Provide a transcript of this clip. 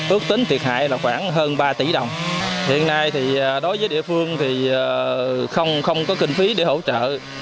ước tính thiệt hại là khoảng hơn ba tỷ đồng hiện nay thì đối với địa phương thì không có kinh phí để hỗ trợ